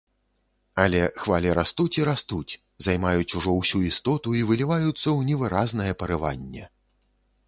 Але хвалі растуць і растуць, займаюць ужо ўсю істоту і выліваюцца ў невыразнае парыванне.